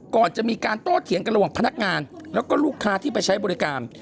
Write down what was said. ก่อนจะมีการโต้เถียงกันระหว่างพนักงานแล้วก็ลูกค้าที่ไปใช้บริการ